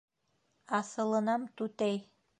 Аҫылынам, түтәй!